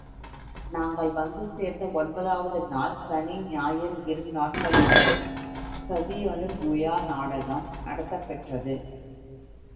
நாங்கள் வந்து சேர்ந்த ஒன்பதாவது நாள் சனி, ஞாயிறு இரு நாட்களிலும் சதியனுகுயா நாடகம் நடத்தப் பெற்றது.